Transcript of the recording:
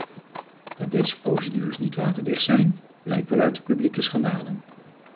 Dat deze procedures niet waterdicht zijn, blijkt wel uit de publieke schandalen.